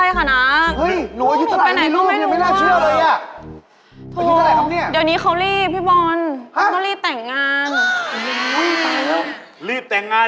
ไม่มีนมให้ลูกกินน่ะดิลูกเลยหายเปล่า